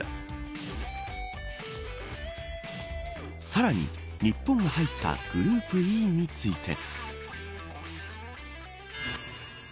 さらに、日本が入ったグループＥについて。